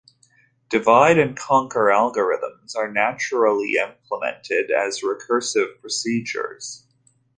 Divide-and-conquer algorithms are naturally implemented as recursive procedures.